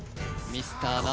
ミスター